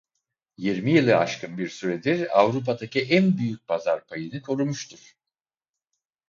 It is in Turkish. Yirmi yılı aşkın bir süredir Avrupa'daki en büyük pazar payını korumuştur.